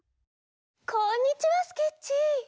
こんにちはスケッチー！